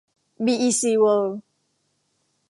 บีอีซี เวิลด์